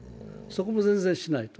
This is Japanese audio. そこも全然しない。